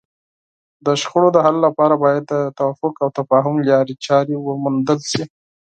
د شخړو د حل لپاره باید د توافق او تفاهم لارې چارې وموندل شي.